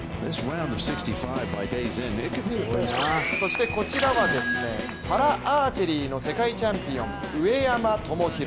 そしてこちらはパラアーチェリーの世界チャンピオン・上山友裕。